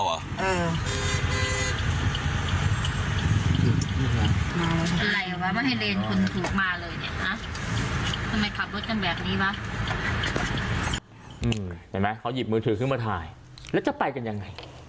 เห็นไหมเขาหยิบมือถือขึ้นมาถ่ายแล้วจะไปกันยังไง